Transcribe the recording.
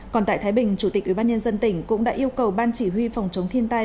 còn tại thái bình chủ tịch ubnd tỉnh cũng đã yêu cầu ban chỉ huy phòng chống thiên tai